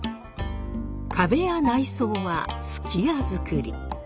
壁や内装は数寄屋造り。